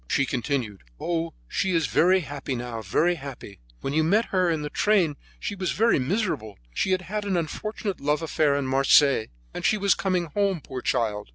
She continued: "Oh, she is very happy now, very happy. When you met her in the train she was very miserable; she had had an unfortunate love affair in Marseilles, and she was coming home, poor child.